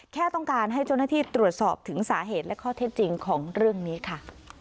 แค่ต้องการให้เจ้าหน้าที่ตรวจสอบถึงสาเหตุและข้อเท็จจริงของเรื่องนี้ค่ะ